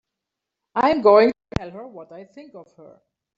I'm going to tell her what I think of her!